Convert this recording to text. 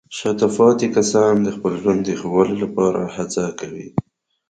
شاته پاتې کسان د خپل ژوند د ښه والي لپاره هڅې کوي.